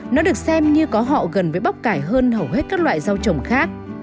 nó được xem như có họ gần với bóc cải hơn hầu hết các loại rau trồng khác